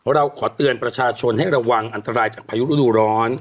เราขอเตือนประชาชนให้ระวังอันตรายจากพายุฤดูร้อน